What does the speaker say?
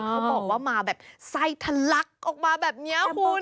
เขาบอกว่ามาแบบไส้ทะลักออกมาแบบนี้คุณ